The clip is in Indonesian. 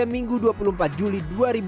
minggu dua puluh empat juli dua ribu dua puluh